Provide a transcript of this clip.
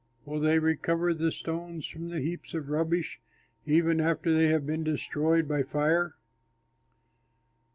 Will they recover the stones from the heaps of rubbish even after they have been destroyed by fire?"